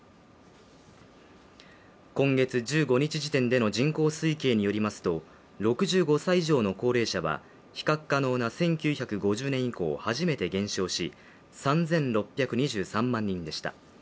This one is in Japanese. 今月１５日時点での人口推計によりますと６５歳以上の高齢者は比較可能な１９５０年以降初めて減少し３６２３万人でした。